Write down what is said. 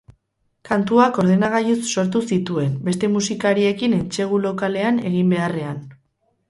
Kantuak ordenagailuz sortu zituen, beste musikariekin entsegu lokalean egin beharrean.